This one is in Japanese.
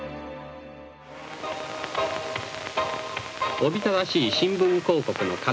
おびただしい新聞広告の数々。